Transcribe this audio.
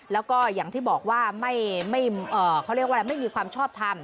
แล้วก็อย่างที่บอกว่าเขาเรียกว่าอะไรไม่มีความชอบทำ